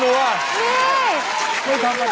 จัดกระบวนพร้อมกัน